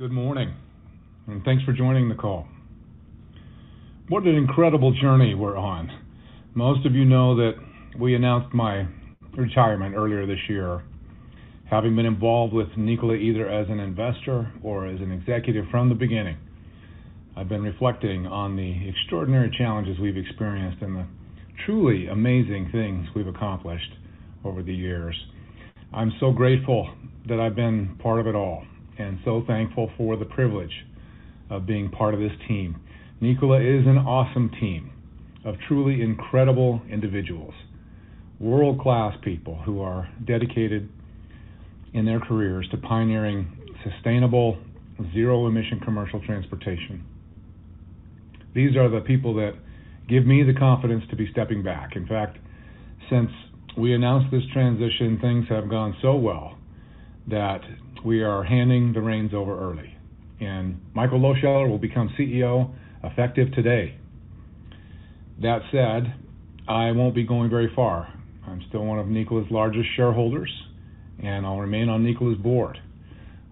Good morning, and thanks for joining the call. What an incredible journey we're on. Most of you know that we announced my retirement earlier this year. Having been involved with Nikola either as an investor or as an executive from the beginning, I've been reflecting on the extraordinary challenges we've experienced and the truly amazing things we've accomplished over the years. I'm so grateful that I've been part of it all, and so thankful for the privilege of being part of this team. Nikola is an awesome team of truly incredible individuals, world-class people who are dedicated in their careers to pioneering sustainable zero-emission commercial transportation. These are the people that give me the confidence to be stepping back. In fact, since we announced this transition, things have gone so well that we are handing the reins over early, and Michael Lohscheller will become CEO effective today. That said, I won't be going very far. I'm still one of Nikola's largest shareholders, and I'll remain on Nikola's board.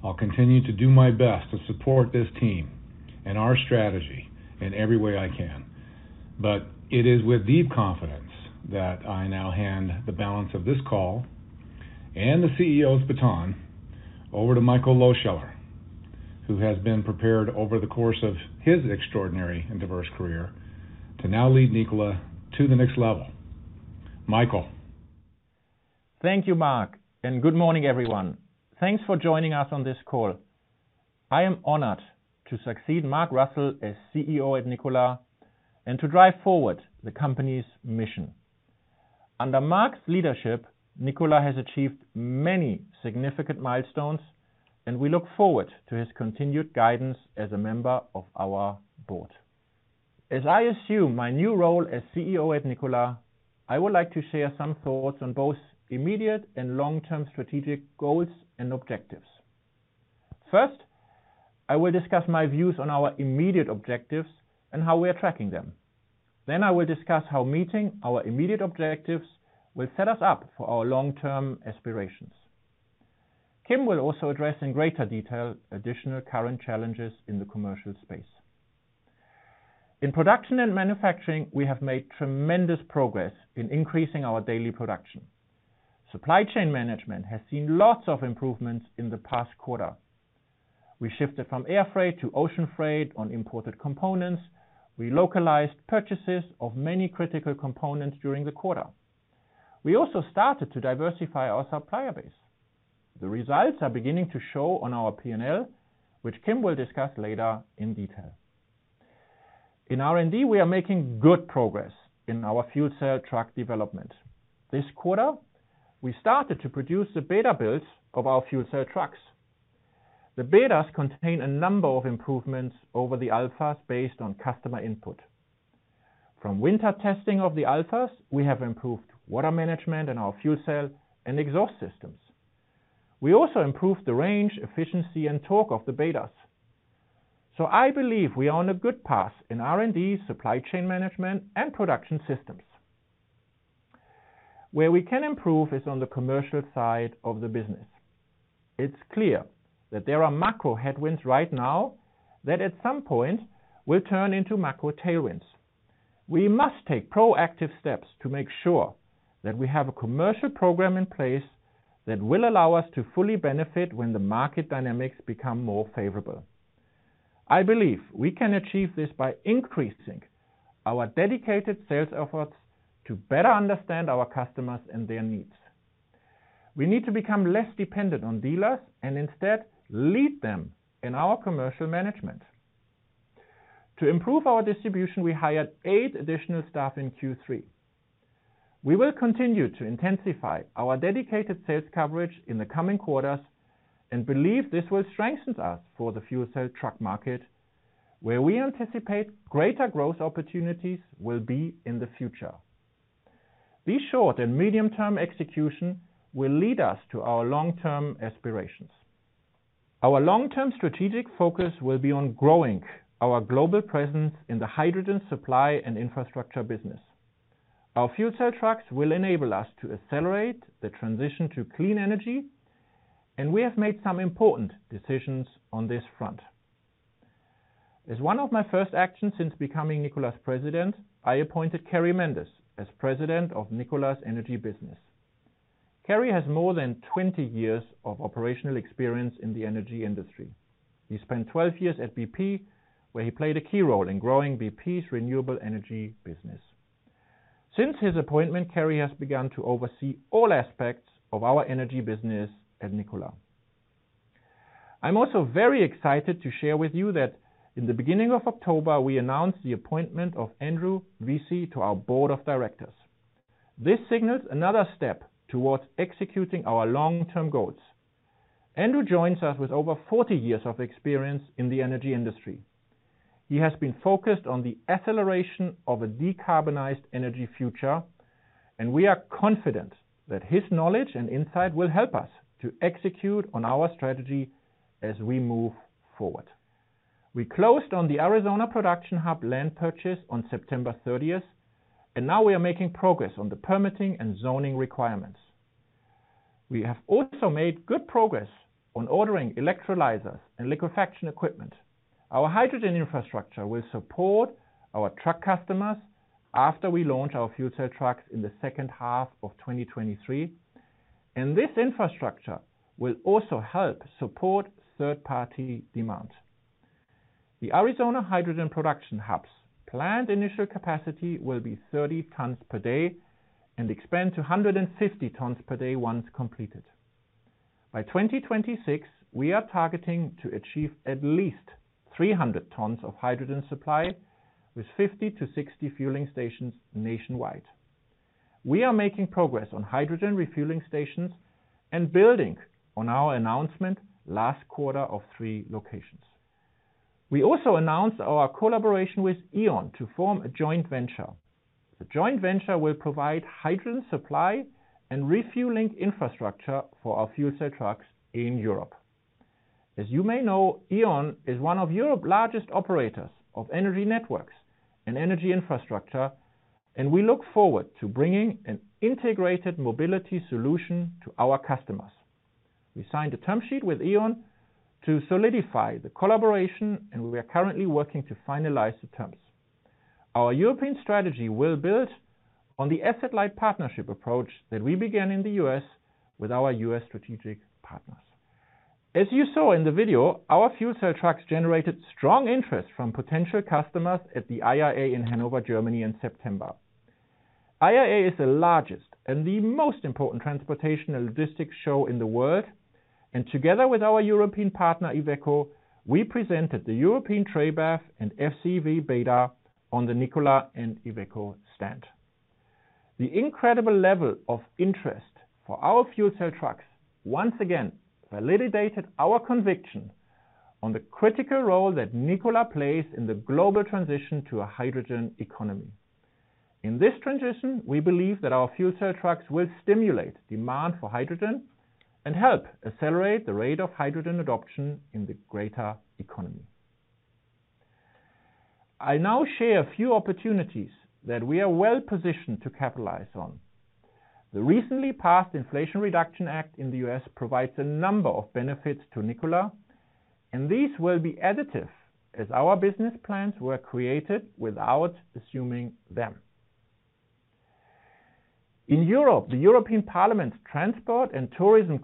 I'll continue to do my best to support this team and our strategy in every way I can. It is with deep confidence that I now hand the balance of this call and the CEO's baton over to Michael Lohscheller, who has been prepared over the course of his extraordinary and diverse career to now lead Nikola to the next level. Michael. Thank you, Mark, and good morning, everyone. Thanks for joining us on this call. I am honored to succeed Mark Russell as CEO at Nikola and to drive forward the company's mission. Under Mark's leadership, Nikola has achieved many significant milestones, and we look forward to his continued guidance as a member of our board. As I assume my new role as CEO at Nikola, I would like to share some thoughts on both immediate and long-term strategic goals and objectives. First, I will discuss my views on our immediate objectives and how we are tracking them. Then I will discuss how meeting our immediate objectives will set us up for our long-term aspirations. Kim will also address in greater detail additional current challenges in the commercial space. In production and manufacturing, we have made tremendous progress in increasing our daily production. Supply chain management has seen lots of improvements in the past quarter. We shifted from air freight to ocean freight on imported components. We localized purchases of many critical components during the quarter. We also started to diversify our supplier base. The results are beginning to show on our P&L, which Kim will discuss later in detail. In R&D, we are making good progress in our fuel cell truck development. This quarter, we started to produce the beta builds of our fuel cell trucks. The betas contain a number of improvements over the alphas based on customer input. From winter testing of the alphas, we have improved water management in our fuel cell and exhaust systems. We also improved the range, efficiency, and torque of the betas. I believe we are on a good path in R&D, supply chain management, and production systems. Where we can improve is on the commercial side of the business. It's clear that there are macro headwinds right now that at some point will turn into macro tailwinds. We must take proactive steps to make sure that we have a commercial program in place that will allow us to fully benefit when the market dynamics become more favorable. I believe we can achieve this by increasing our dedicated sales efforts to better understand our customers and their needs. We need to become less dependent on dealers and instead lead them in our commercial management. To improve our distribution, we hired eight additional staff in Q3. We will continue to intensify our dedicated sales coverage in the coming quarters and believe this will strengthen us for the fuel cell truck market, where we anticipate greater growth opportunities will be in the future. These short- and medium-term execution will lead us to our long-term aspirations. Our long-term strategic focus will be on growing our global presence in the hydrogen supply and infrastructure business. Our fuel cell trucks will enable us to accelerate the transition to clean energy, and we have made some important decisions on this front. As one of my first actions since becoming Nikola's president, I appointed Carey Mendes as President of Nikola's energy business. Carey has more than 20 years of operational experience in the energy industry. He spent 12 years at BP, where he played a key role in growing BP's renewable energy business. Since his appointment, Carey has begun to oversee all aspects of our energy business at Nikola. I'm also very excited to share with you that in the beginning of October, we announced the appointment of Andrew Vesey to our board of directors. This signals another step towards executing our long-term goals. Andrew Vesey joins us with over 40 years of experience in the energy industry. He has been focused on the acceleration of a decarbonized energy future, and we are confident that his knowledge and insight will help us to execute on our strategy as we move forward. We closed on the Arizona production hub land purchase on September thirtieth, and now we are making progress on the permitting and zoning requirements. We have also made good progress on ordering electrolyzers and liquefaction equipment. Our hydrogen infrastructure will support our truck customers after we launch our fuel cell trucks in the H2 of 2023, and this infrastructure will also help support third-party demand. The Arizona hydrogen production hub's planned initial capacity will be 30 tons per day and expand to 150 tons per day once completed. By 2026, we are targeting to achieve at least 300 tons of hydrogen supply with 50 to 60 fueling stations nationwide. We are making progress on hydrogen refueling stations and building on our announcement last quarter of three locations. We also announced our collaboration with E.ON to form a joint venture. The joint venture will provide hydrogen supply and refueling infrastructure for our fuel cell trucks in Europe. As you may know, E.ON is one of Europe's largest operators of energy networks and energy infrastructure, and we look forward to bringing an integrated mobility solution to our customers. We signed a term sheet with E.ON to solidify the collaboration, and we are currently working to finalize the terms. Our European strategy will build on the asset-light partnership approach that we began in the U.S. with our U.S. strategic partners. As you saw in the video, our fuel cell trucks generated strong interest from potential customers at the IAA in Hanover, Germany in September. IAA is the largest and the most important transportation and logistics show in the world, and together with our European partner, Iveco, we presented the European Tre BEV and FCEV beta on the Nikola and Iveco stand. The incredible level of interest for our fuel cell trucks once again validated our conviction on the critical role that Nikola plays in the global transition to a hydrogen economy. In this transition, we believe that our fuel cell trucks will stimulate demand for hydrogen and help accelerate the rate of hydrogen adoption in the greater economy. I now share a few opportunities that we are well-positioned to capitalize on. The recently passed Inflation Reduction Act in the U.S. provides a number of benefits to Nikola, and these will be additive as our business plans were created without assuming them. In Europe, the European Parliament Committee on Transport and Tourism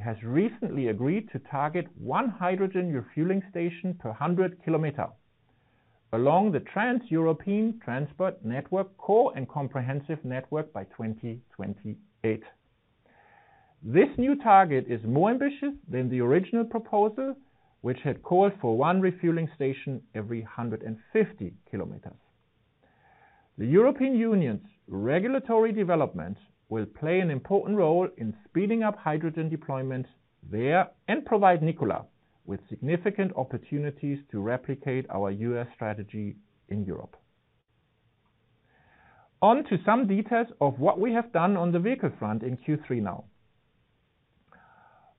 has recently agreed to target one hydrogen refueling station per 100km along the Trans-European Transport Network core and comprehensive network by 2028. This new target is more ambitious than the original proposal, which had called for one refueling station every 150km. The European Union's regulatory development will play an important role in speeding up hydrogen deployment there and provide Nikola with significant opportunities to replicate our U.S. strategy in Europe. On to some details of what we have done on the vehicle front in Q3 now.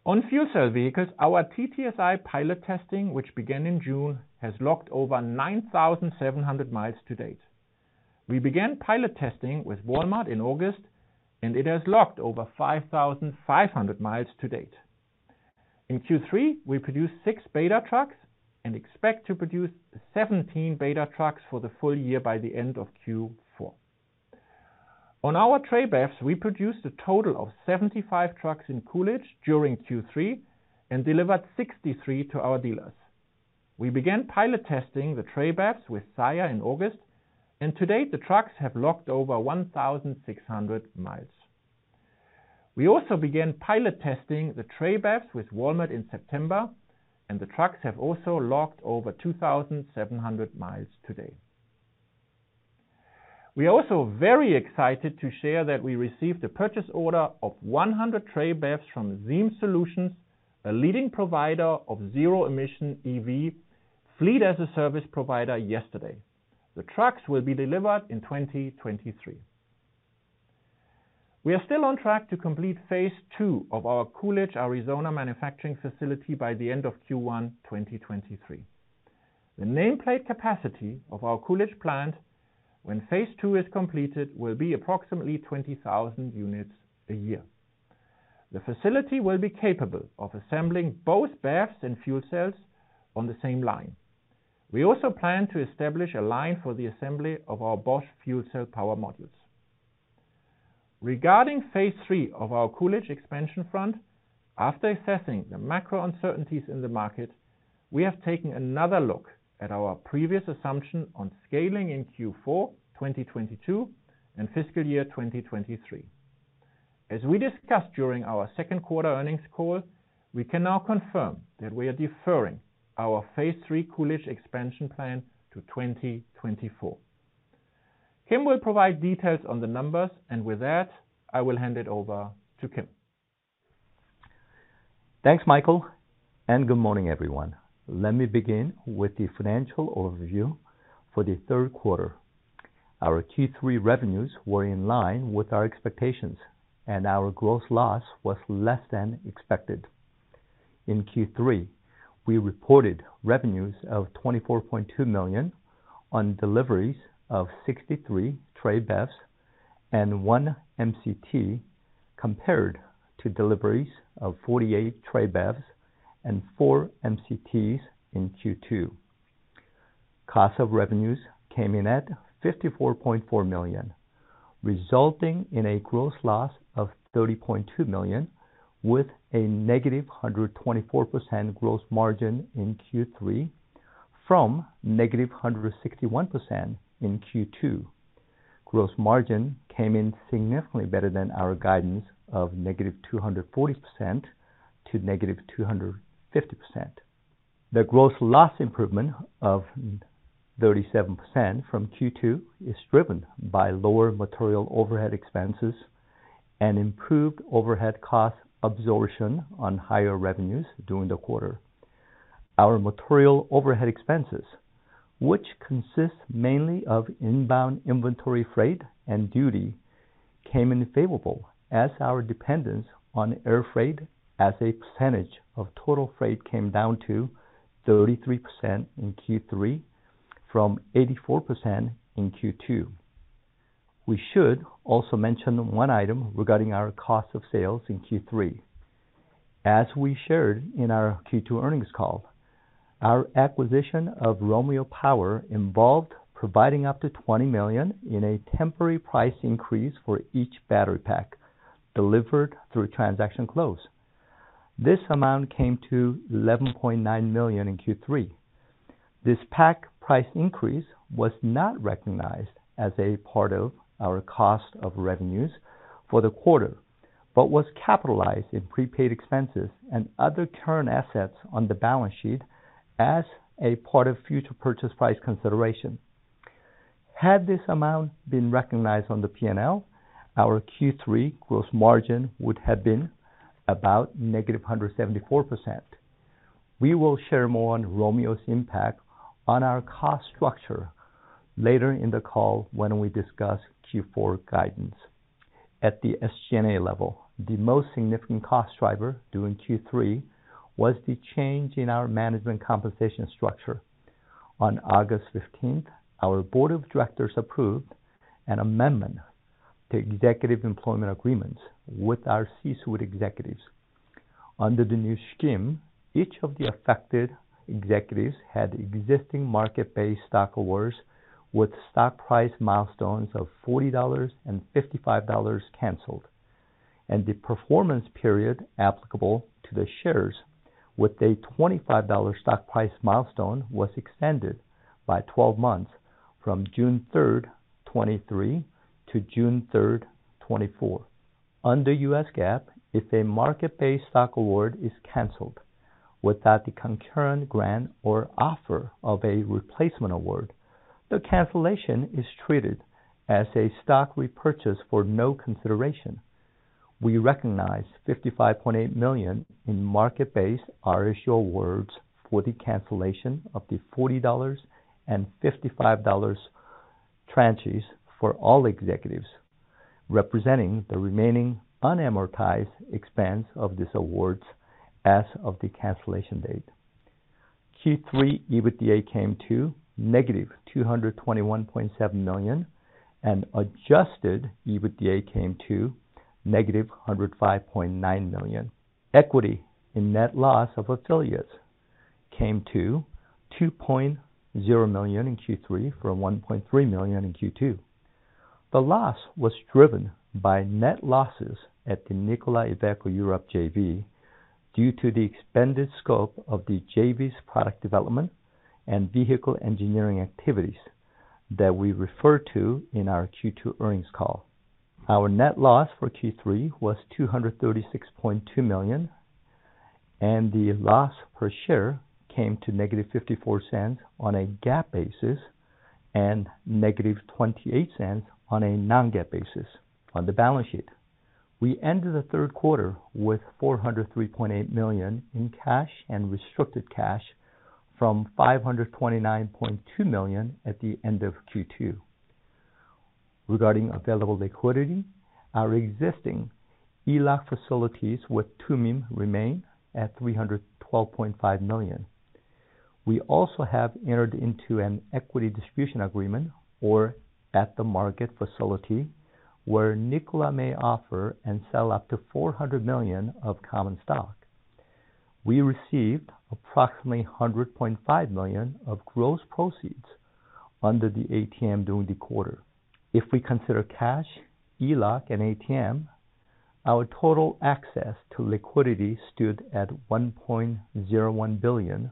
On fuel cell vehicles, our TTSI pilot testing, which began in June, has logged over 9,700mi to date. We began pilot testing with Walmart in August, and it has logged over 5,500mi to date. In Q3, we produced 6 beta trucks and expect to produce 17 beta trucks for the full year by the end of Q4. On our Tre BEVs, we produced a total of 75 trucks in Coolidge during Q3 and delivered 63 to our dealers. We began pilot testing the Tre BEVs with Saia in August, and to date, the trucks have logged over 1,600mi. We also began pilot testing the Tre BEVs with Walmart in September, and the trucks have also logged over 2,700mi to date. We are also very excited to share that we received a purchase order of 100 Tre BEVs from Zeem Solutions, a leading provider of zero-emission EV fleet-as-a-service provider yesterday. The trucks will be delivered in 2023. We are still on track to complete phase two of our Coolidge, Arizona manufacturing facility by the end of Q1 2023. The nameplate capacity of our Coolidge plant when phase two is completed will be approximately 20,000 units a year. The facility will be capable of assembling both BEVs and fuel cells on the same line. We also plan to establish a line for the assembly of our Bosch fuel cell power modules. Regarding phase three of our Coolidge expansion front, after assessing the macro uncertainties in the market, we have taken another look at our previous assumption on scaling in Q4 2022 and fiscal year 2023. As we discussed during our Q2 earnings call, we can now confirm that we are deferring our phase three Coolidge expansion plan to 2024. Kim will provide details on the numbers, and with that, I will hand it over to Kim. Thanks, Michael, and good morning, everyone. Let me begin with the financial overview for the Q3. Our Q3 revenues were in line with our expectations, and our gross loss was less than expected. In Q3, we reported revenues of $24.2 million on deliveries of 63 Tre BEVs and one MCT compared to deliveries of 48 Tre BEVs and four MCTs in Q2. Cost of revenues came in at $54.4 million, resulting in a gross loss of $30.2 million, with a -124% gross margin in Q3 from -161% in Q2. Gross margin came in significantly better than our guidance of -240 to -250%. The gross loss improvement of 37% from Q2 is driven by lower material overhead expenses and improved overhead cost absorption on higher revenues during the quarter. Our material overhead expenses, which consists mainly of inbound inventory freight and duty, came in favorable as our dependence on air freight as a percentage of total freight came down to 33% in Q3 from 84% in Q2. We should also mention one item regarding our cost of sales in Q3. As we shared in our Q2 earnings call, our acquisition of Romeo Power involved providing up to $20 million in a temporary price increase for each battery pack delivered through transaction close. This amount came to $11.9 million in Q3. This pack price increase was not recognized as a part of our cost of revenues for the quarter but was capitalized in prepaid expenses and other current assets on the balance sheet as a part of future purchase price consideration. Had this amount been recognized on the P&L, our Q3 gross margin would have been about negative 174%. We will share more on Romeo's impact on our cost structure later in the call when we discuss Q4 guidance. At the SG&A level, the most significant cost driver during Q3 was the change in our management compensation structure. On August 15, our board of directors approved an amendment to executive employment agreements with our C-suite executives. Under the new scheme, each of the affected executives had existing market-based stock awards with stock price milestones of $40 and $55 canceled, and the performance period applicable to the shares with a $25 stock price milestone was extended by 12 months from 3 June 2023 to 3 June 2024. Under U.S. GAAP, if a market-based stock award is canceled without the concurrent grant or offer of a replacement award, the cancellation is treated as a stock repurchase for no consideration. We recognize $55.8 million in market-based RSU awards for the cancellation of the $40 and $55 tranches for all executives, representing the remaining unamortized expense of these awards as of the cancellation date. Q3 EBITDA came to -$221.7 million, and adjusted EBITDA came to -$105.9 million. Equity in net loss of affiliates came to $2.0 million in Q3 from $1.3 million in Q2. The loss was driven by net losses at the Nikola Iveco Europe JV due to the expanded scope of the JV's product development and vehicle engineering activities that we referred to in our Q2 earnings call. Our net loss for Q3 was $236.2 million, and the loss per share came to -$0.54 on a GAAP basis and -$0.28 on a non-GAAP basis. On the balance sheet, we ended the Q3 with $403.8 million in cash and restricted cash from $529.2 million at the end of Q2. Regarding available liquidity, our existing ELOC facilities with Tumim remain at $312.5 million. We also have entered into an equity distribution agreement or at-the-market facility where Nikola may offer and sell up to $400 million of common stock. We received approximately $100.5 million of gross proceeds under the ATM during the quarter. If we consider cash, ELOC, and ATM, our total access to liquidity stood at $1.01 billion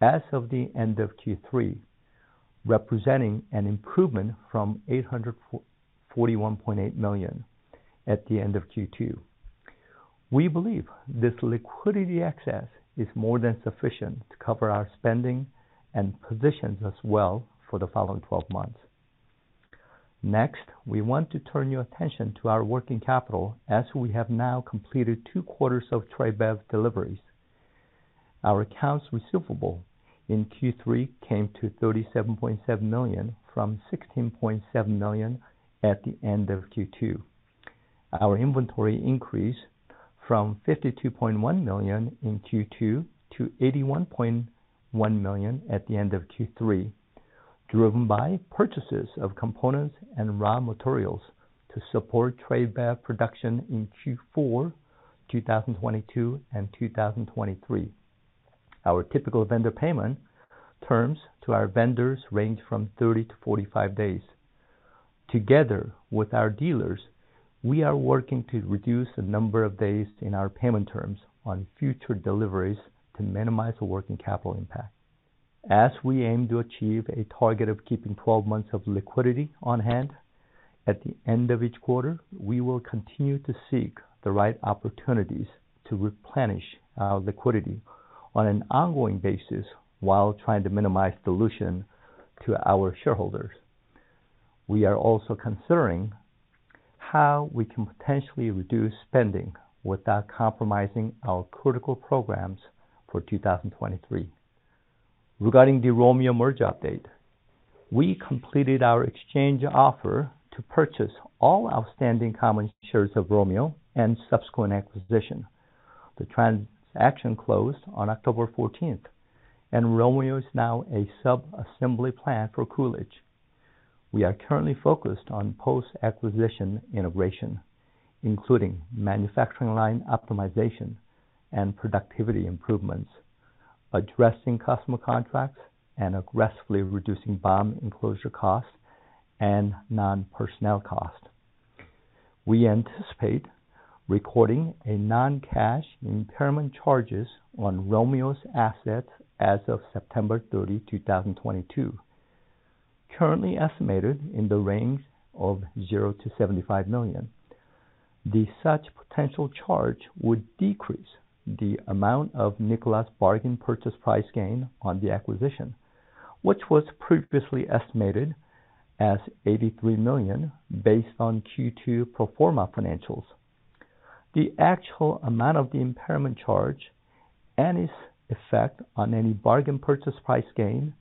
as of the end of Q3, representing an improvement from $844.8 million at the end of Q2. We believe this liquidity access is more than sufficient to cover our spending and positions as well for the following twelve months. Next, we want to turn your attention to our working capital as we have now completed two quarters of Tre BEV deliveries. Our accounts receivable in Q3 came to $37.7 million from $16.7 million at the end of Q2. Our inventory increased from $52.1 million in Q2 to $81.1 million at the end of Q3, driven by purchases of components and raw materials to support Tre BEV production in Q4, 2022 and 2023. Our typical vendor payment terms to our vendors range from 30 to 45 days. Together with our dealers, we are working to reduce the number of days in our payment terms on future deliveries to minimize the working capital impact. As we aim to achieve a target of keeping 12 months of liquidity on hand at the end of each quarter, we will continue to seek the right opportunities to replenish our liquidity on an ongoing basis while trying to minimize dilution to our shareholders. We are also considering how we can potentially reduce spending without compromising our critical programs for 2023. Regarding the Romeo merger update, we completed our exchange offer to purchase all outstanding common shares of Romeo and subsequent acquisition. The transaction closed on October 14, and Romeo is now a sub-assembly plant for Coolidge. We are currently focused on post-acquisition integration, including manufacturing line optimization and productivity improvements, addressing customer contracts, and aggressively reducing BOM enclosure costs and non-personnel costs. We anticipate recording a non-cash impairment charge on Romeo's assets as of 30 September 2022, currently estimated in the range of $0 to 75 million. This potential charge would decrease the amount of Nikola's bargain purchase price gain on the acquisition, which was previously estimated as $83 million based on Q2 pro forma financials. The actual amount of the impairment charge and its effect on any bargain purchase price gain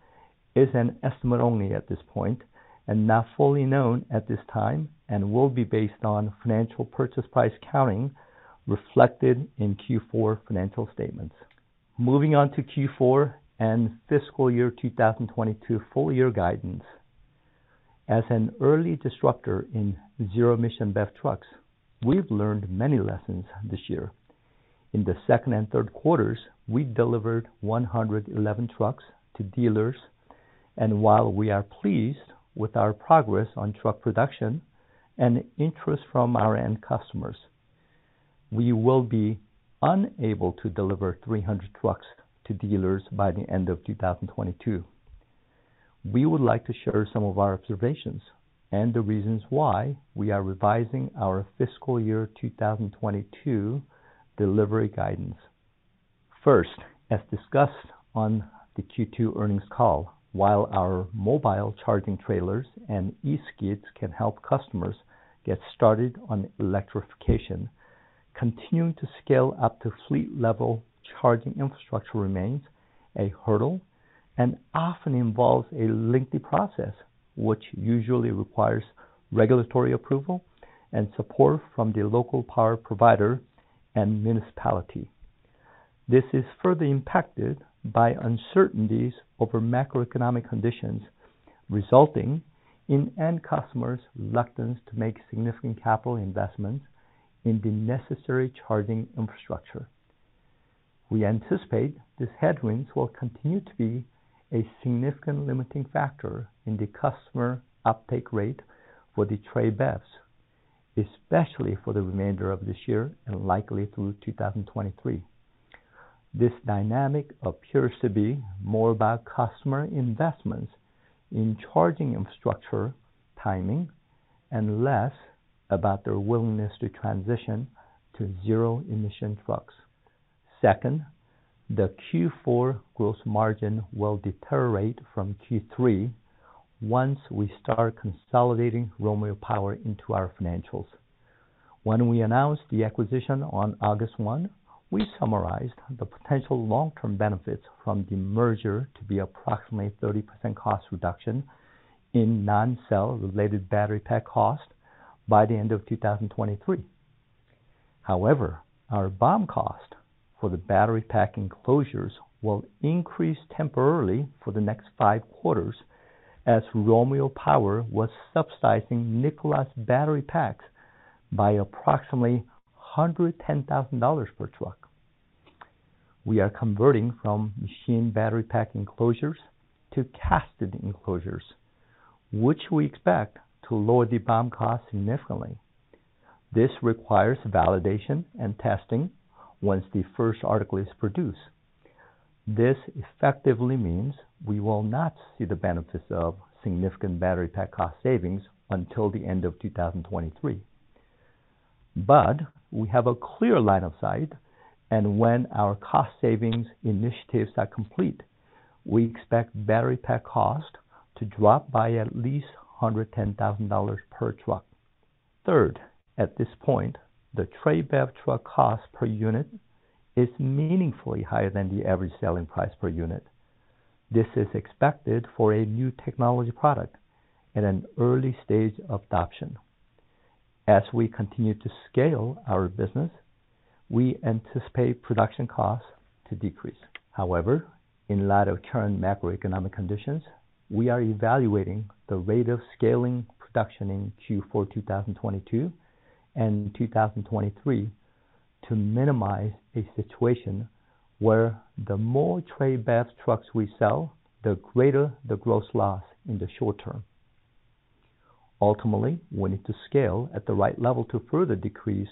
is an estimate only at this point and not fully known at this time and will be based on final purchase price accounting reflected in Q4 financial statements. Moving on to Q4 and fiscal year 2022 full year guidance. As an early disruptor in zero-emission BEV trucks, we've learned many lessons this year. In the second and Q3s, we delivered 111 trucks to dealers. While we are pleased with our progress on truck production and interest from our end customers, we will be unable to deliver 300 trucks to dealers by the end of 2022. We would like to share some of our observations and the reasons why we are revising our fiscal year 2022 delivery guidance. First, as discussed on the Q2 earnings call, while our mobile charging trailers and E-skids can help customers get started on electrification, continuing to scale up to fleet-level charging infrastructure remains a hurdle and often involves a lengthy process, which usually requires regulatory approval and support from the local power provider and municipality. This is further impacted by uncertainties over macroeconomic conditions, resulting in end customers' reluctance to make significant capital investments in the necessary charging infrastructure. We anticipate these headwinds will continue to be a significant limiting factor in the customer uptake rate for the Tre BEVs, especially for the remainder of this year and likely through 2023. This dynamic appears to be more about customer investments in charging infrastructure timing and less about their willingness to transition to zero emission trucks. Second, the Q4 gross margin will deteriorate from Q3 once we start consolidating Romeo Power into our financials. When we announced the acquisition on August 1, we summarized the potential long-term benefits from the merger to be approximately 30% cost reduction in non-cell related battery pack cost by the end of 2023. However, our BOM cost for the battery pack enclosures will increase temporarily for the next five quarters as Romeo Power was subsidizing Nikola's battery packs by approximately $110,000 per truck. We are converting from machined battery pack enclosures to cast enclosures, which we expect to lower the BOM cost significantly. This requires validation and testing once the first article is produced. This effectively means we will not see the benefits of significant battery pack cost savings until the end of 2023. We have a clear line of sight, and when our cost savings initiatives are complete, we expect battery pack cost to drop by at least $110,000 per truck. Third, at this point, the Tre BEV truck cost per unit is meaningfully higher than the average selling price per unit. This is expected for a new technology product at an early stage of adoption. As we continue to scale our business, we anticipate production costs to decrease. However, in light of current macroeconomic conditions, we are evaluating the rate of scaling production in Q4 2022 and 2023 to minimize a situation where the more Tre BEV trucks we sell, the greater the gross loss in the short term. Ultimately, we need to scale at the right level to further decrease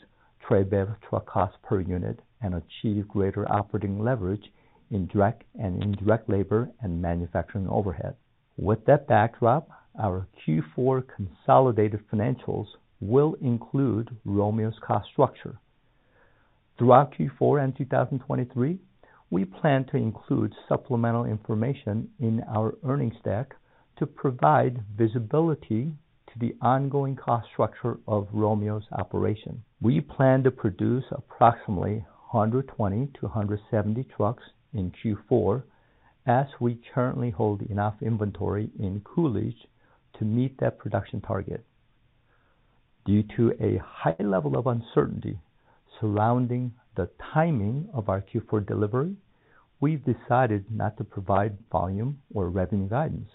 Tre BEV truck cost per unit and achieve greater operating leverage in direct and indirect labor and manufacturing overhead. With that backdrop, our Q4 consolidated financials will include Romeo's cost structure. Throughout Q4 and 2023, we plan to include supplemental information in our earnings deck to provide visibility to the ongoing cost structure of Romeo's operation. We plan to produce approximately 120 to 170 trucks in Q4 as we currently hold enough inventory in Coolidge to meet that production target. Due to a high level of uncertainty surrounding the timing of our Q4 delivery, we've decided not to provide volume or revenue guidance.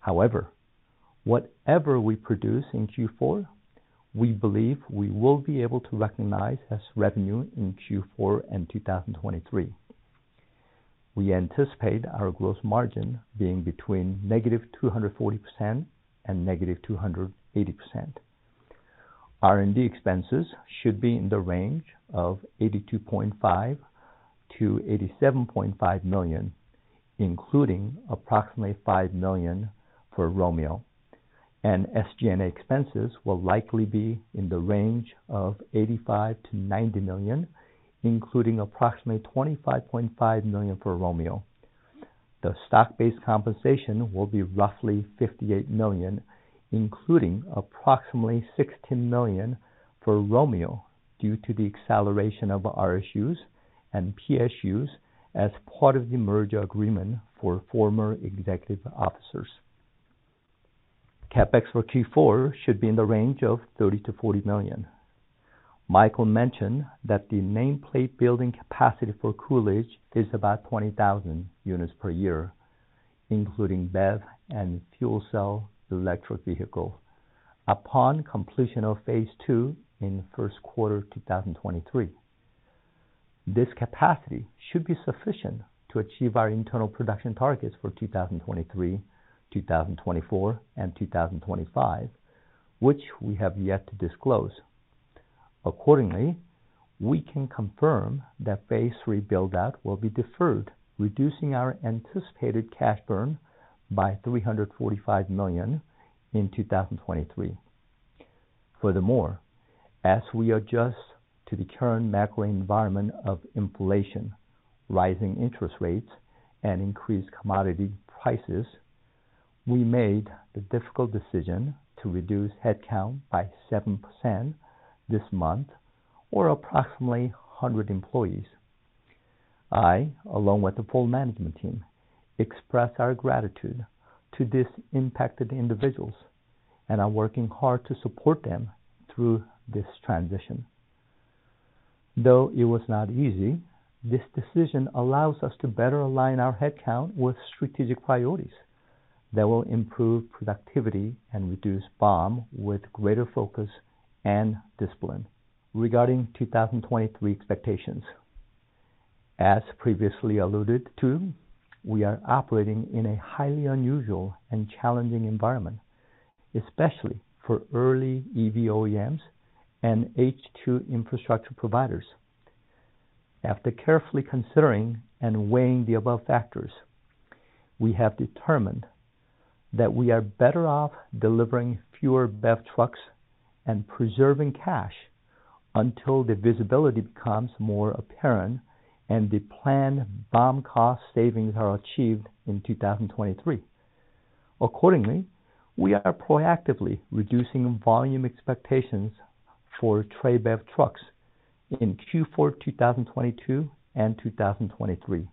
However, whatever we produce in Q4, we believe we will be able to recognize as revenue in Q4 in 2023. We anticipate our gross margin being between -240% and -280%. R&D expenses should be in the range of $82.5 million-$87.5 million, including approximately $5 million for Romeo. SG&A expenses will likely be in the range of $85 to 90 million, including approximately $25.5 million for Romeo. The stock-based compensation will be roughly $58 million, including approximately $16 million for Romeo due to the acceleration of RSUs and PSUs as part of the merger agreement for former executive officers. CapEx for Q4 should be in the range of $30 to 40 million. Michael mentioned that the nameplate building capacity for Coolidge is about 20,000 units per year, including BEV and fuel cell electric vehicle. Upon completion of phase two in Q1 2023, this capacity should be sufficient to achieve our internal production targets for 2023, 2024, and 2025, which we have yet to disclose. Accordingly, we can confirm that phase three build-out will be deferred, reducing our anticipated cash burn by $345 million in 2023. Furthermore, as we adjust to the current macro environment of inflation, rising interest rates, and increased commodity prices, we made the difficult decision to reduce headcount by 7% this month or approximately 100 employees. I, along with the full management team, express our gratitude to these impacted individuals and are working hard to support them through this transition. Though it was not easy, this decision allows us to better align our headcount with strategic priorities that will improve productivity and reduce BOM with greater focus and discipline. Regarding 2023 expectations, as previously alluded to, we are operating in a highly unusual and challenging environment, especially for early EV OEMs and H2 infrastructure providers. After carefully considering and weighing the above factors, we have determined that we are better off delivering fewer BEV trucks and preserving cash until the visibility becomes more apparent and the planned BOM cost savings are achieved in 2023. Accordingly, we are proactively reducing volume expectations for Tre BEV trucks in Q4 2022 and 2023.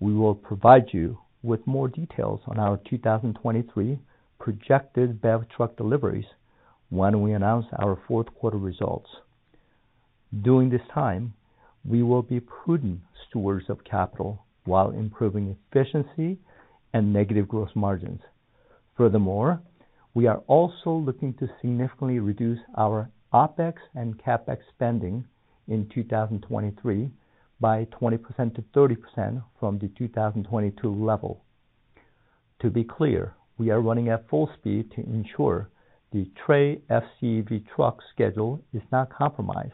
We will provide you with more details on our 2023 projected BEV truck deliveries when we announce our Q4 results. During this time, we will be prudent stewards of capital while improving efficiency and negative gross margins. Furthermore, we are also looking to significantly reduce our OpEx and CapEx spending in 2023 by 20 to 30% from the 2022 level. To be clear, we are running at full speed to ensure the Tre FCEV truck schedule is not compromised,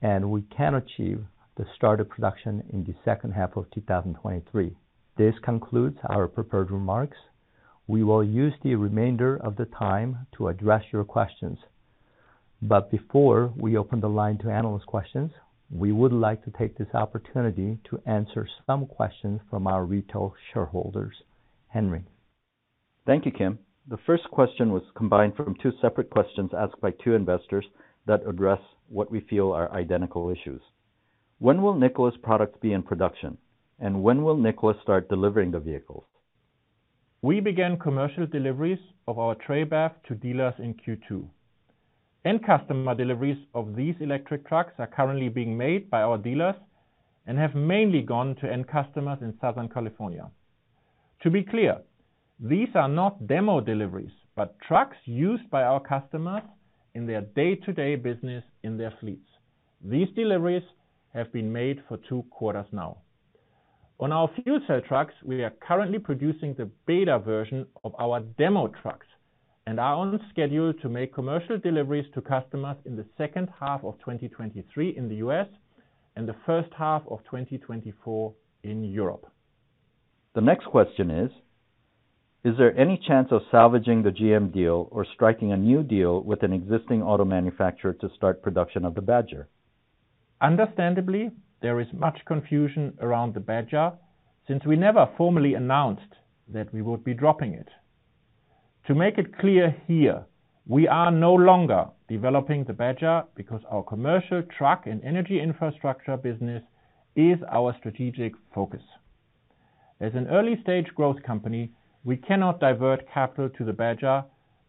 and we can achieve the start of production in the H2 of 2023. This concludes our prepared remarks. We will use the remainder of the time to address your questions. Before we open the line to analyst questions, we would like to take this opportunity to answer some questions from our retail shareholders. Henry? Thank you, Kim. The first question was combined from two separate questions asked by two investors that address what we feel are identical issues. When will Nikola's products be in production, and when will Nikola start delivering the vehicles? We began commercial deliveries of our Tre BEV to dealers in Q2. End customer deliveries of these electric trucks are currently being made by our dealers and have mainly gone to end customers in Southern California. To be clear, these are not demo deliveries, but trucks used by our customers in their day-to-day business in their fleets. These deliveries have been made for two quarters now. On our fuel cell trucks, we are currently producing the beta version of our demo trucks and are on schedule to make commercial deliveries to customers in the H2 of 2023 in the U.S. and the H1 of 2024 in Europe. The next question is there any chance of salvaging the GM deal or striking a new deal with an existing auto manufacturer to start production of the Badger? Understandably, there is much confusion around the Badger since we never formally announced that we would be dropping it. To make it clear here, we are no longer developing the Badger because our commercial truck and energy infrastructure business is our strategic focus. As an early-stage growth company, we cannot divert capital to the Badger,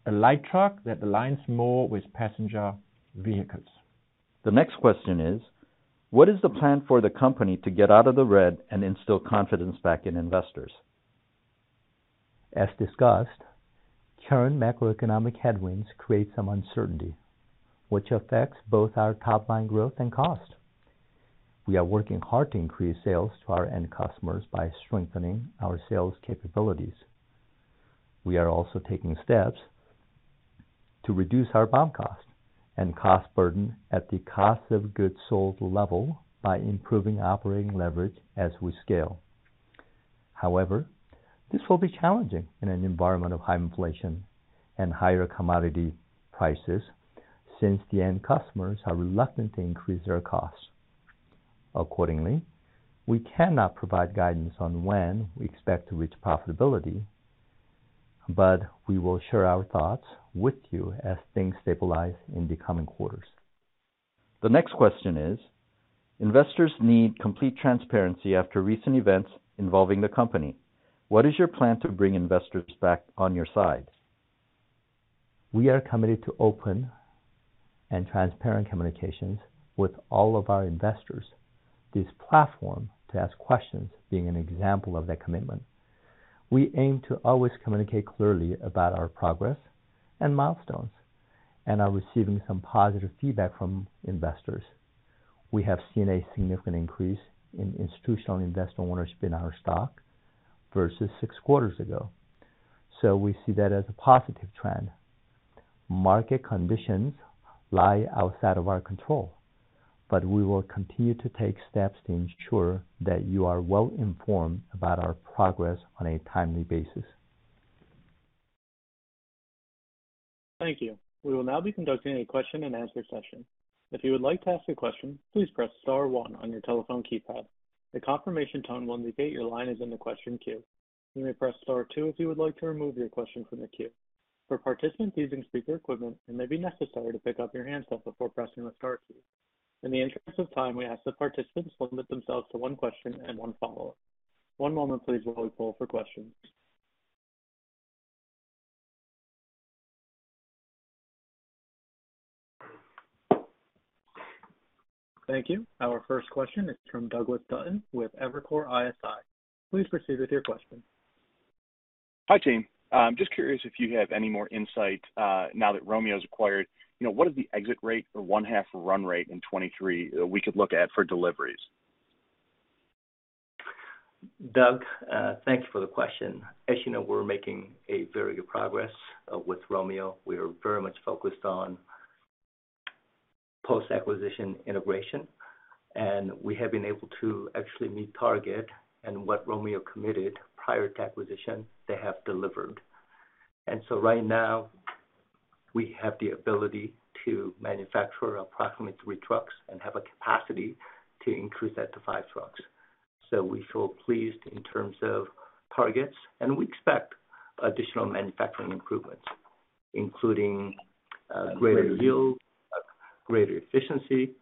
a light truck that aligns more with passenger vehicles. The next question is, what is the plan for the company to get out of the red and instill confidence back in investors? As discussed, current macroeconomic headwinds create some uncertainty, which affects both our top line growth and cost. We are working hard to increase sales to our end customers by strengthening our sales capabilities. We are also taking steps to reduce our BOM cost and cost burden at the cost of goods sold level by improving operating leverage as we scale. However, this will be challenging in an environment of high inflation and higher commodity prices since the end customers are reluctant to increase their costs. Accordingly, we cannot provide guidance on when we expect to reach profitability, but we will share our thoughts with you as things stabilize in the coming quarters. The next question is, investors need complete transparency after recent events involving the company. What is your plan to bring investors back on your side? We are committed to open and transparent communications with all of our investors, this platform to ask questions being an example of that commitment. We aim to always communicate clearly about our progress and milestones and are receiving some positive feedback from investors. We have seen a significant increase in institutional investor ownership in our stock versus six quarters ago, so we see that as a positive trend. Market conditions lie outside of our control, but we will continue to take steps to ensure that you are well informed about our progress on a timely basis. Thank you. We will now be conducting a question and answer session. If you would like to ask a question, please press star one on your telephone keypad. The confirmation tone will indicate your line is in the question queue. You may press star two if you would like to remove your question from the queue. For participants using speaker equipment, it may be necessary to pick up your handset before pressing the star key. In the interest of time, we ask that participants limit themselves to one question and one follow-up. One moment please while we poll for questions. Thank you. Our first question is from Douglas Dutton with Evercore ISI. Please proceed with your question. Hi, team. I'm just curious if you have any more insight, now that Romeo's acquired. You know, what is the exit rate or one-half run rate in 2023 we could look at for deliveries? Doug, thank you for the question. As you know, we're making a very good progress with Romeo. We are very much focused on post-acquisition integration, and we have been able to actually meet target and what Romeo committed prior to acquisition. They have delivered. Right now we have the ability to manufacture approximately three trucks and have a capacity to increase that to five trucks. We feel pleased in terms of targets, and we expect additional manufacturing improvements, including greater yield, greater efficiency.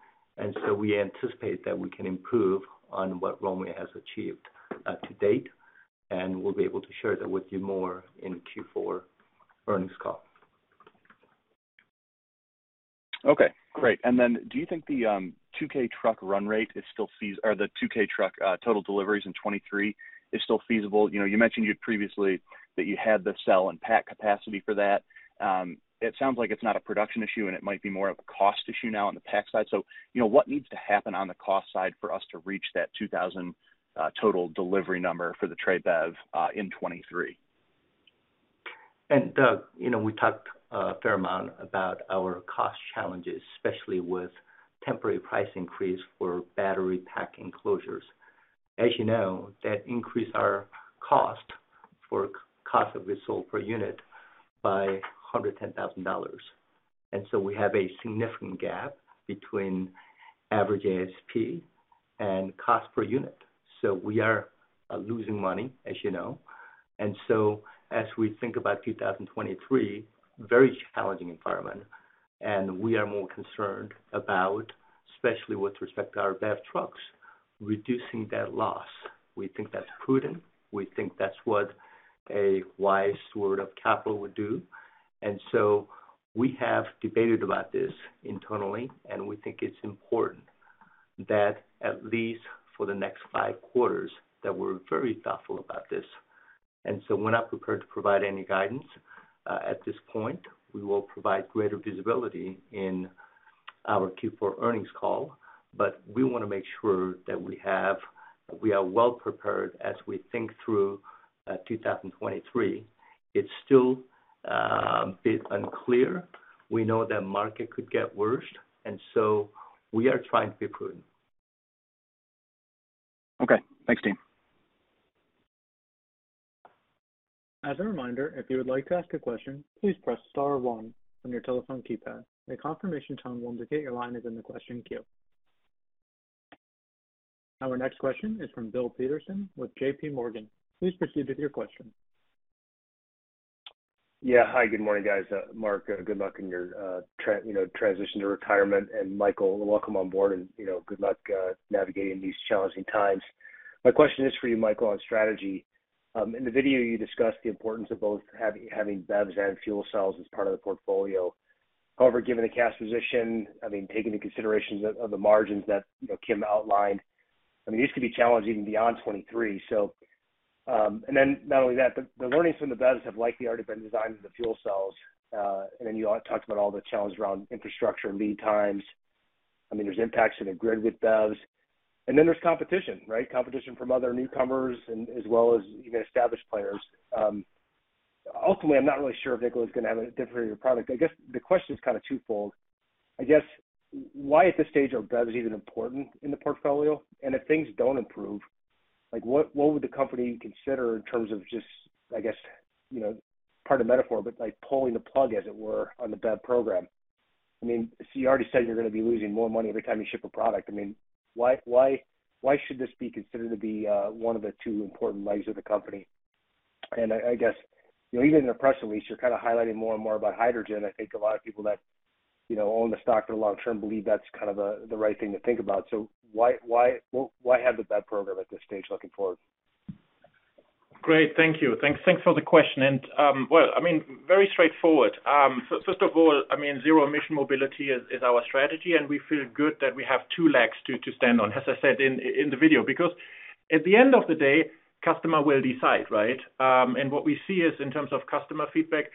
We anticipate that we can improve on what Romeo has achieved to date, and we'll be able to share that with you more in Q4 earnings call. Okay, great. Do you think the 2K truck run rate is still or the 2K truck total deliveries in 2023 is still feasible? You know, you mentioned previously that you had the cell and pack capacity for that. It sounds like it's not a production issue, and it might be more of a cost issue now on the pack side. You know, what needs to happen on the cost side for us to reach that 2,000 total delivery number for the Tre BEV in 2023? Douglas, you know, we talked a fair amount about our cost challenges, especially with temporary price increase for battery pack enclosures. As you know, that increased our cost for cost of goods sold per unit by $110,000. We have a significant gap between average ASP and cost per unit. We are losing money, as you know. As we think about 2023, very challenging environment, and we are more concerned about, especially with respect to our BEV trucks, reducing that loss. We think that's prudent. We think that's what a wise steward of capital would do. We have debated about this internally, and we think it's important that at least for the next five quarters, that we're very thoughtful about this. We're not prepared to provide any guidance at this point. We will provide greater visibility in our Q4 earnings call. We want to make sure that we are well prepared as we think through 2023. It's still a bit unclear. We know the market could get worse, and so we are trying to be prudent. Okay. Thanks, team. As a reminder, if you would like to ask a question, please press star one on your telephone keypad. A confirmation tone will indicate your line is in the question queue. Our next question is from Bill Peterson with J.P. Morgan. Please proceed with your question. Yeah. Hi, good morning, guys. Mark, good luck in your, you know, transition to retirement. Michael, welcome on board and, you know, good luck navigating these challenging times. My question is for you, Michael, on strategy. In the video, you discussed the importance of both having BEVs and fuel cells as part of the portfolio. However, given the cash position, I mean, taking into consideration the margins that, you know, Kim outlined, I mean, these could be challenging beyond 2023. Not only that, but the learnings from the BEVs have likely already been designed into the fuel cells. You all talked about all the challenges around infrastructure and lead times. I mean, there's impacts in the grid with BEVs. There's competition, right? Competition from other newcomers and as well as even established players. Ultimately, I'm not really sure if Nikola is going to have a differentiated product. I guess the question is kind of twofold. I guess, why at this stage are BEVs even important in the portfolio? If things don't improve, like, what would the company consider in terms of just, I guess, you know, pardon the metaphor, but like pulling the plug as it were on the BEV program? I mean, you already said you're going to be losing more money every time you ship a product. I mean, why should this be considered to be one of the two important legs of the company? I guess, you know, even in the press release, you're kind of highlighting more and more about hydrogen. I think a lot of people that, you know, own the stock for the long term believe that's kind of the right thing to think about. Why have the BEV program at this stage looking forward? Great. Thank you. Thanks for the question. Well, I mean, very straightforward. First of all, I mean, zero-emission mobility is our strategy, and we feel good that we have two legs to stand on, as I said in the video. Because at the end of the day, customer will decide, right? What we see is in terms of customer feedback,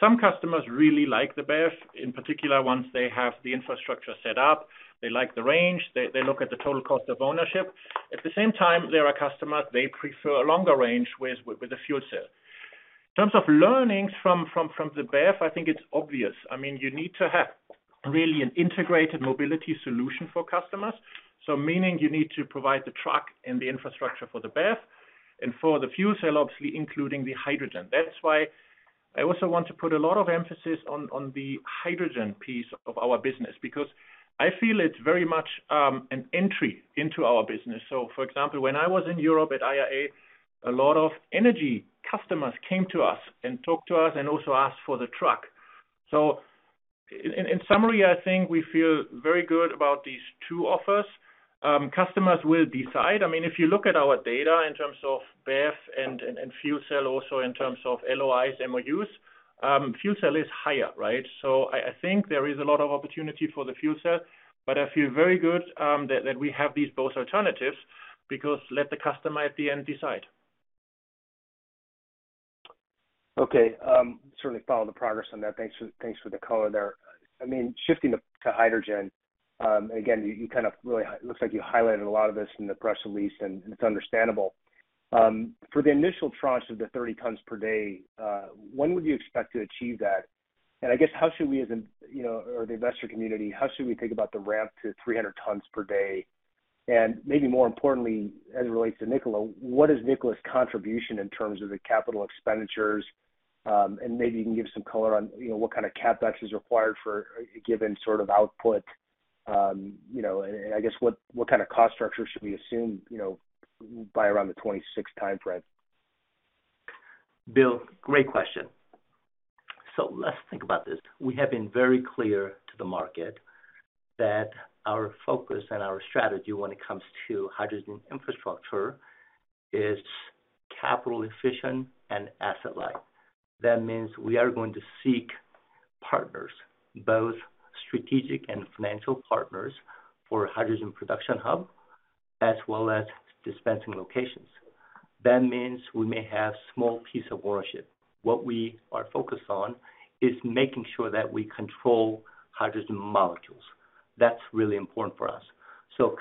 some customers really like the BEV, in particular, once they have the infrastructure set up. They like the range. They look at the total cost of ownership. At the same time, there are customers, they prefer a longer range with the fuel cell. In terms of learnings from the BEV, I think it's obvious. I mean, you need to have really an integrated mobility solution for customers. Meaning you need to provide the truck and the infrastructure for the BEV, and for the fuel cell, obviously, including the hydrogen. That's why I also want to put a lot of emphasis on the hydrogen piece of our business, because I feel it's very much an entry into our business. For example, when I was in Europe at IAA, a lot of energy customers came to us and talked to us and also asked for the truck. In summary, I think we feel very good about these two offers. Customers will decide. I mean, if you look at our data in terms of BEV and fuel cell also in terms of LOIs, MOUs, fuel cell is higher, right? I think there is a lot of opportunity for the fuel cell, but I feel very good that we have these both alternatives because let the customer at the end decide. Okay. Certainly follow the progress on that. Thanks for the color there. I mean, shifting to hydrogen, again, you kind of it looks like you highlighted a lot of this in the press release, and it's understandable. For the initial tranche of the 30 tons per day, when would you expect to achieve that? And I guess how should we, as in, you know, or the investor community, how should we think about the ramp to 300 tons per day? And maybe more importantly, as it relates to Nikola, what is Nikola's contribution in terms of the capital expenditures? And maybe you can give some color on, you know, what kind of CapEx is required for a given sort of output. You know, I guess what kind of cost structure should we assume, you know, by around the 26 timeframe? Bill, great question. Let's think about this. We have been very clear to the market that our focus and our strategy when it comes to hydrogen infrastructure is capital efficient and asset light. That means we are going to seek partners, both strategic and financial partners, for hydrogen production hub as well as dispensing locations. That means we may have small piece of ownership. What we are focused on is making sure that we control hydrogen molecules. That's really important for us.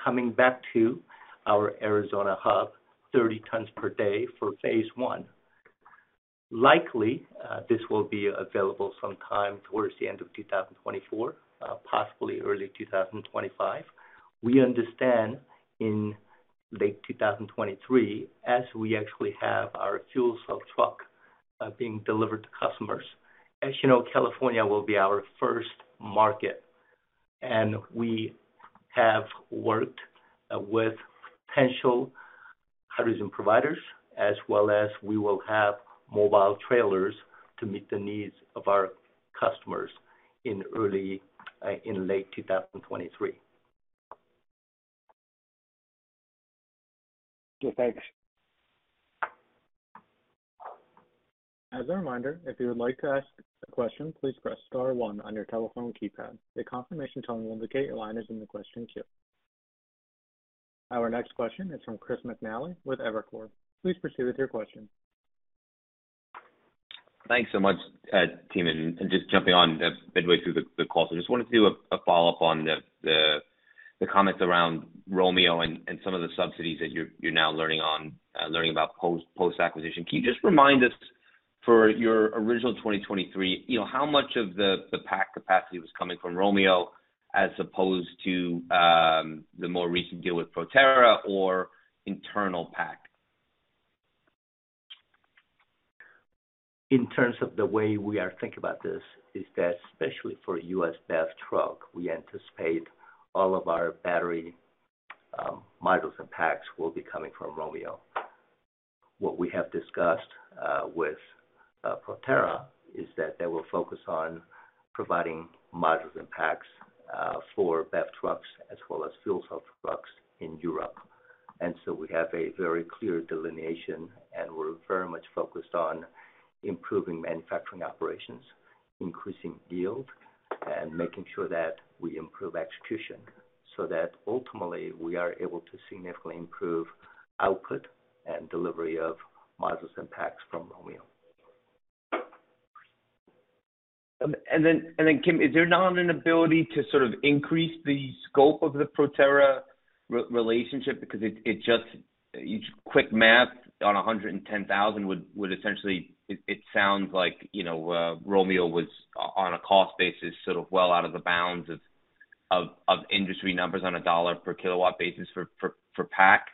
Coming back to our Arizona hub, 30 tons per day for phase one. Likely, this will be available sometime towards the end of 2024, possibly early 2025. We understand in late 2023, as we actually have our fuel cell truck being delivered to customers. As you know, California will be our first market, and we have worked with potential hydrogen providers as well as we will have mobile trailers to meet the needs of our customers in late 2023. Okay, thanks. As a reminder, if you would like to ask a question, please press star one on your telephone keypad. The confirmation tone will indicate your line is in the question queue. Our next question is from Chris McNally with Evercore. Please proceed with your question. Thanks so much, team, and just jumping on midway through the call. Just wanted to do a follow-up on the comments around Romeo and some of the subsidies that you're now learning about post-acquisition. Can you just remind us for your original 2023, you know, how much of the pack capacity was coming from Romeo as opposed to the more recent deal with Proterra or internal pack? In terms of the way we are think about this is that especially for U.S. BEV truck, we anticipate all of our battery modules and packs will be coming from Romeo. What we have discussed with Proterra is that they will focus on providing modules and packs for BEV trucks as well as fuel cell trucks in Europe. We have a very clear delineation, and we're very much focused on improving manufacturing operations, increasing yield, and making sure that we improve execution so that ultimately we are able to significantly improve output and delivery of modules and packs from Romeo. Kim, is there not an ability to sort of increase the scope of the Proterra relationship? Because it just quick math on $110,000 would essentially. It sounds like, you know, Romeo was on a cost basis, sort of well out of the bounds of industry numbers on a $ per kilowatt basis for pack.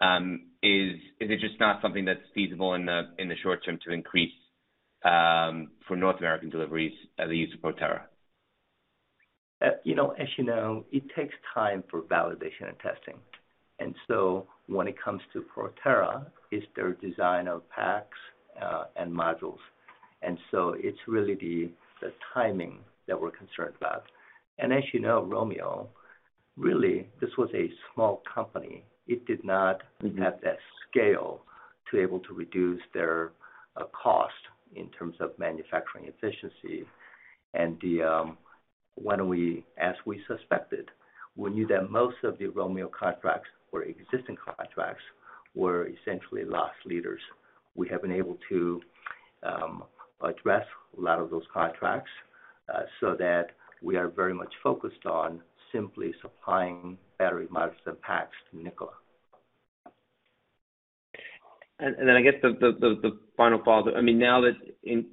Is it just not something that's feasible in the short term to increase, for North American deliveries, the use of Proterra? You know, as you know, it takes time for validation and testing. When it comes to Proterra, it's their design of packs and modules. It's really the timing that we're concerned about. As you know, Romeo really this was a small company. It did not have that scale to be able to reduce their cost in terms of manufacturing efficiency. As we suspected, we knew that most of the Romeo contracts or existing contracts were essentially lost leaders. We have been able to address a lot of those contracts, so that we are very much focused on simply supplying battery modules and packs to Nikola. Then I guess the final follow-up. I mean, now that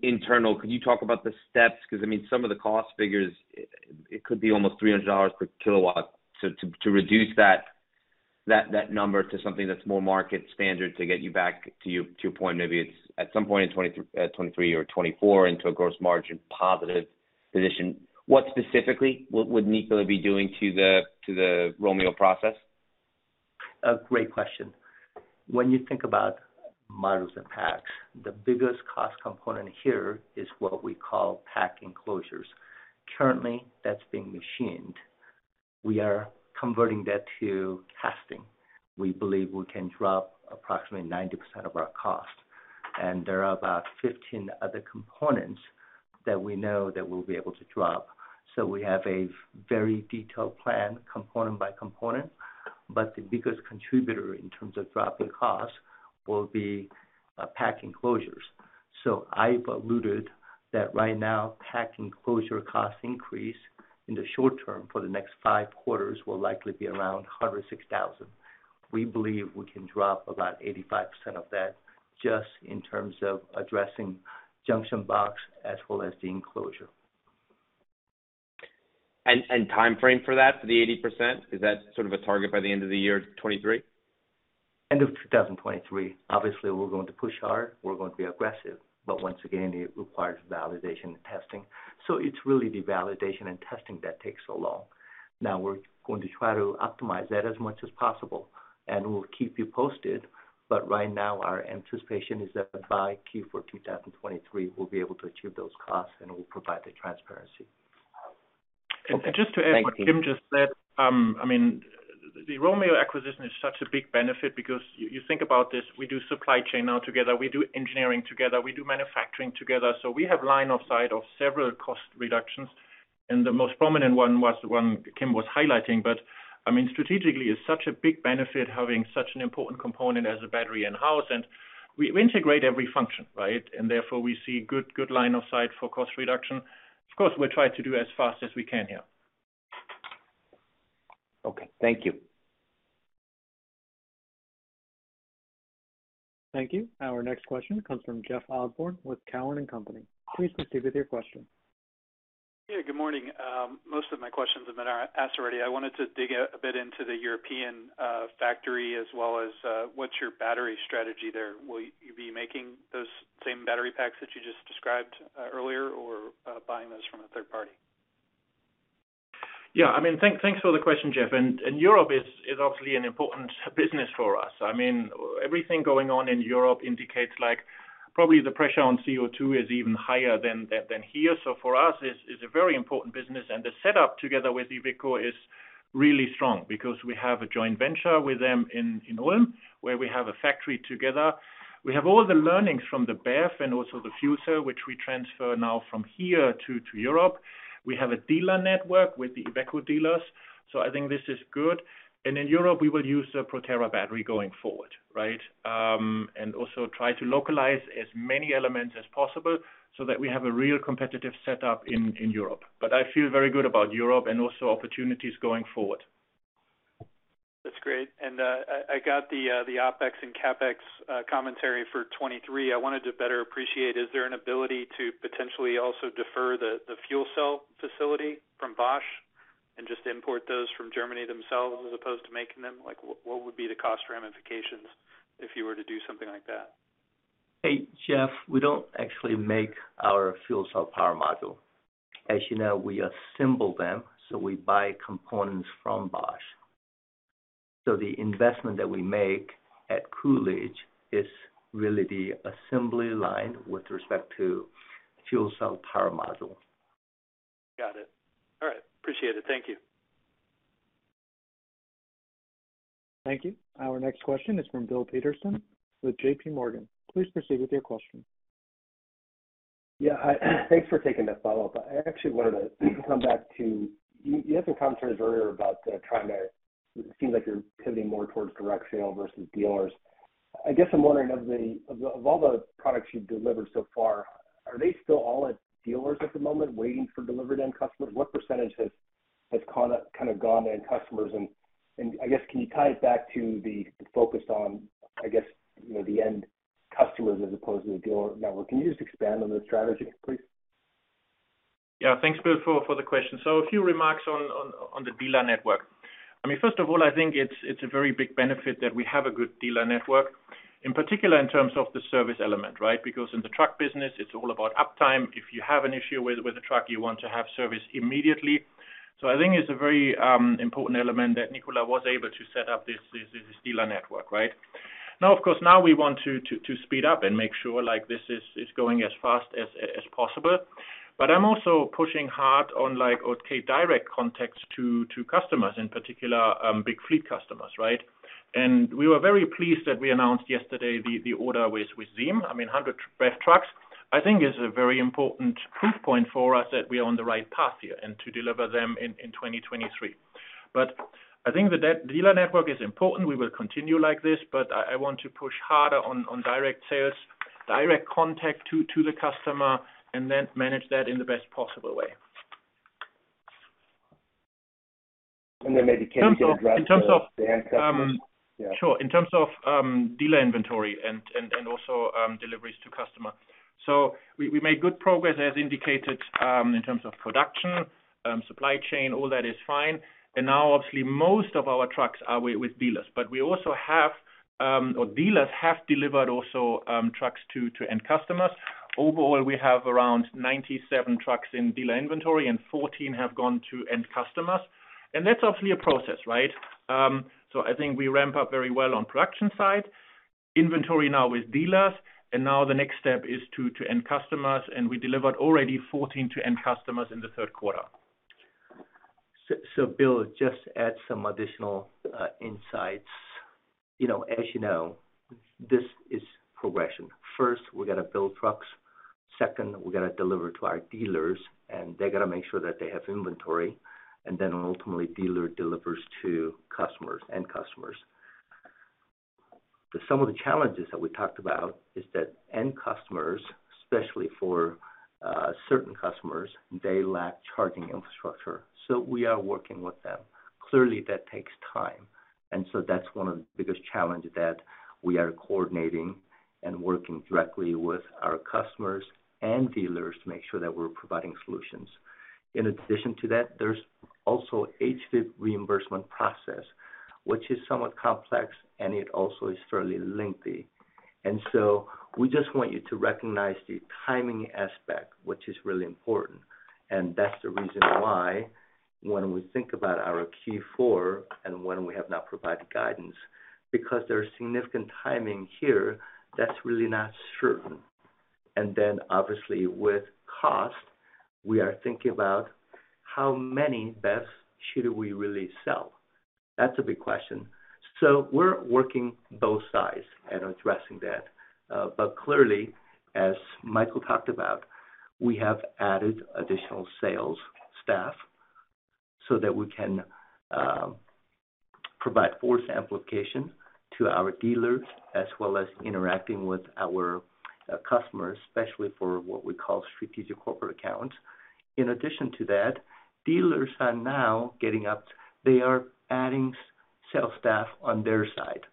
internal, could you talk about the steps? Because, I mean, some of the cost figures, it could be almost $300 per kilowatt to reduce that number to something that's more market standard to get you back to your point, maybe it's at some point in 2023 or 2024 into a gross margin positive position. What specifically would Nikola be doing to the Romeo process? A great question. When you think about modules and packs, the biggest cost component here is what we call pack enclosures. Currently, that's being machined. We are converting that to casting. We believe we can drop approximately 90% of our cost. There are about 15 other components that we know that we'll be able to drop. We have a very detailed plan, component by component. The biggest contributor in terms of dropping costs will be pack enclosures. I've alluded that right now, pack enclosure cost increase in the short term for the next 5 quarters will likely be around $106,000. We believe we can drop about 85% of that just in terms of addressing junction box as well as the enclosure. Timeframe for that, for the 80%, is that sort of a target by the end of the year 2023? End of 2023. Obviously, we're going to push hard. We're going to be aggressive. Once again, it requires validation and testing. It's really the validation and testing that takes so long. Now we're going to try to optimize that as much as possible, and we'll keep you posted. Right now, our anticipation is that by Q4 2023, we'll be able to achieve those costs and we'll provide the transparency. Okay. Thank you. Just to add what Kim just said, I mean, the Romeo acquisition is such a big benefit because you think about this, we do supply chain now together, we do engineering together, we do manufacturing together. We have line of sight of several cost reductions, and the most prominent one was the one Kim was highlighting. I mean, strategically, it's such a big benefit having such an important component as a battery in-house, and we integrate every function, right? Therefore, we see good line of sight for cost reduction. Of course, we'll try to do as fast as we can here. Okay. Thank you. Thank you. Our next question comes from Jeff Osborne with Cowen and Company. Please proceed with your question. Yeah, good morning. Most of my questions have been asked already. I wanted to dig a bit into the European factory as well as what's your battery strategy there? Will you be making those same battery packs that you just described earlier or buying those from a third party? Yeah, I mean, thanks for the question, Jeff. Europe is obviously an important business for us. I mean, everything going on in Europe indicates like probably the pressure on CO2 is even higher than here. For us, it's a very important business. The setup together with Iveco is really strong because we have a joint venture with them in Ulm, where we have a factory together. We have all the learnings from the BEV and also the FCEV, which we transfer now from here to Europe. We have a dealer network with the Iveco dealers. I think this is good. In Europe, we will use the Proterra battery going forward, right? We also try to localize as many elements as possible so that we have a real competitive setup in Europe. I feel very good about Europe and also opportunities going forward. That's great. I got the OpEx and CapEx commentary for 2023. I wanted to better appreciate, is there an ability to potentially also defer the fuel cell facility from Bosch and just import those from Germany themselves as opposed to making them? What would be the cost ramifications if you were to do something like that? Hey, Jeff, we don't actually make our fuel cell power module. As you know, we assemble them, so we buy components from Bosch. The investment that we make at Coolidge is really the assembly line with respect to fuel cell power module. Got it. All right. Appreciate it. Thank you. Thank you. Our next question is from Bill Peterson with J.P. Morgan. Please proceed with your question. Yeah. Thanks for taking that follow-up. I actually wanted to come back to you. You had some comments earlier about it seems like you're pivoting more towards direct sales versus dealers. I guess I'm wondering of all the products you've delivered so far, are they still all at dealers at the moment waiting for delivered end customers? What percentage has kind of gone to end customers? I guess can you tie it back to the focus on, I guess, you know, the end customers as opposed to the dealer network? Can you just expand on the strategy, please? Yeah. Thanks, Bill, for the question. A few remarks on the dealer network. I mean, first of all, I think it's a very big benefit that we have a good dealer network, in particular in terms of the service element, right? Because in the truck business, it's all about uptime. If you have an issue with a truck, you want to have service immediately. I think it's a very important element that Nikola was able to set up this dealer network, right? Now, of course, now we want to speed up and make sure like this is going as fast as possible. I'm also pushing hard on like, okay, direct contacts to customers, in particular, big fleet customers, right? We were very pleased that we announced yesterday the order with Zeem. I mean, 100 BEV trucks, I think is a very important proof point for us that we are on the right path here and to deliver them in 2023. I think the dealer network is important. We will continue like this, but I want to push harder on direct sales, direct contact to the customer, and then manage that in the best possible way. Maybe can you address the? In terms of. the end customers? Yeah. Sure. In terms of dealer inventory and also deliveries to customer. We made good progress as indicated in terms of production, supply chain, all that is fine. Now obviously most of our trucks are with dealers, but dealers have also delivered trucks to end customers. Overall, we have around 97 trucks in dealer inventory and 14 have gone to end customers. That's obviously a process, right? I think we ramp up very well on production side. Inventory now with dealers, and now the next step is to end customers, and we delivered already 14 to end customers in the Q3. Bill, just add some additional insights. You know, as you know, this is progression. First, we got to build trucks. Second, we got to deliver to our dealers, and they got to make sure that they have inventory. Then ultimately dealer delivers to customers, end customers. Some of the challenges that we talked about is that end customers, especially for certain customers, they lack charging infrastructure. We are working with them. Clearly, that takes time. That's one of the biggest challenge that we are coordinating and working directly with our customers and dealers to make sure that we're providing solutions. In addition to that, there's also HVIP reimbursement process, which is somewhat complex, and it also is fairly lengthy. We just want you to recognize the timing aspect, which is really important. That's the reason why when we think about our Q4 and when we have not provided guidance, because there are significant timing here that's really not certain. Obviously with cost, we are thinking about how many BEVs should we really sell. That's a big question. We're working both sides at addressing that. Clearly, as Michael talked about, we have added additional sales staff so that we can provide force amplification to our dealers as well as interacting with our Our customers, especially for what we call strategic corporate accounts. In addition to that, dealers are now getting up. They are adding sales staff on their side.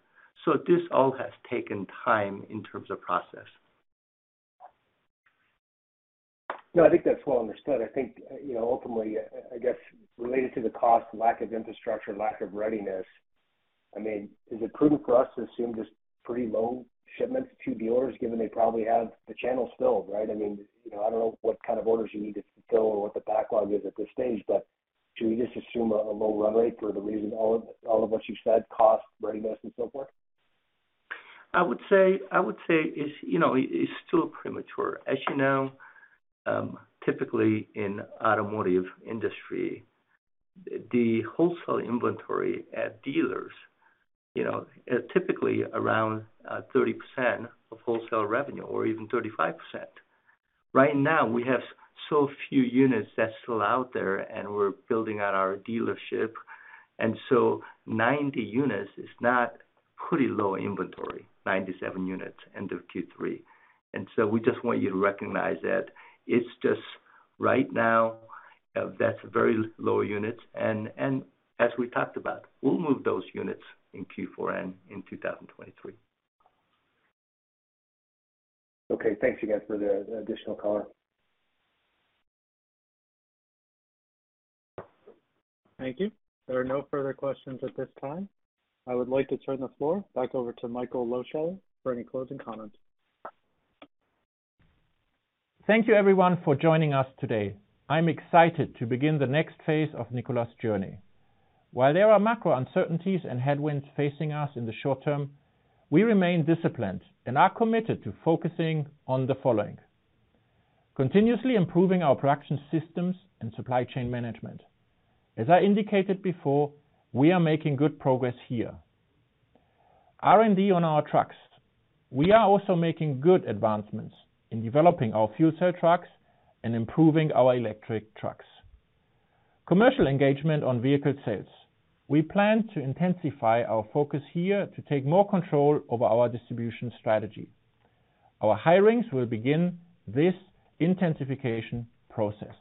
This all has taken time in terms of process. No, I think that's well understood. I think, you know, ultimately, I guess related to the cost, lack of infrastructure, lack of readiness. I mean, is it prudent for us to assume there's pretty low shipments to dealers given they probably have the channel filled, right? I mean, you know, I don't know what kind of orders you need to fulfill or what the backlog is at this stage, but should we just assume a low run rate for the reason all of what you said, cost, readiness, and so forth? I would say it's, you know, it's still premature. As you know, typically in automotive industry, the wholesale inventory at dealers, you know, are typically around 30% of wholesale revenue or even 35%. Right now, we have so few units that's still out there, and we're building out our dealership. Ninety units is not pretty low inventory, 97 units end of Q3. We just want you to recognize that it's just right now, that's very low units. As we talked about, we'll move those units in Q4 and in 2023. Okay. Thanks again for the additional color. Thank you. There are no further questions at this time. I would like to turn the floor back over to Michael Lohscheller for any closing comments. Thank you everyone for joining us today. I'm excited to begin the next phase of Nikola's journey. While there are macro uncertainties and headwinds facing us in the short term, we remain disciplined and are committed to focusing on the following, continuously improving our production systems and supply chain management. As I indicated before, we are making good progress here. R&D on our trucks. We are also making good advancements in developing our fuel cell trucks and improving our electric trucks. Commercial engagement on vehicle sales. We plan to intensify our focus here to take more control over our distribution strategy. Our hirings will begin this intensification process.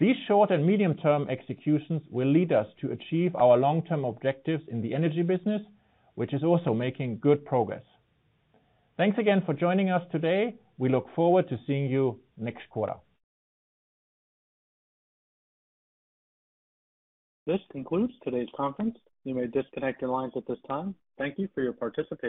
These short and medium term executions will lead us to achieve our long-term objectives in the energy business, which is also making good progress. Thanks again for joining us today. We look forward to seeing you next quarter. This concludes today's conference. You may disconnect your lines at this time. Thank you for your participation.